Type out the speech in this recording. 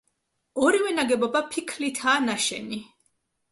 ორივე ნაგებობა ფიქლითაა ნაშენი.